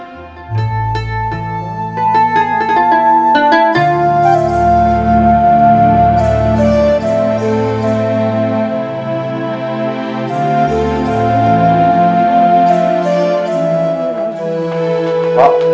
sampai jumpa lagi